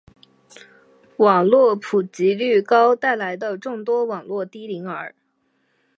网络普及率高带来的众多网络低龄儿